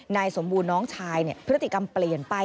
นายสมบูรณ์น้องชายพฤติกรรมเปลี่ยนไป